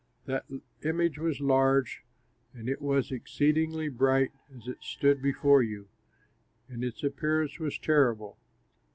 That image was large and it was exceedingly bright as it stood before you, and its appearance was terrible.